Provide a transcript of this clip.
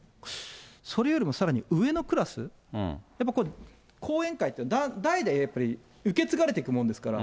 それよりもさらに上のクラス、後援会って、代々やっぱり受け継がれていくものですから。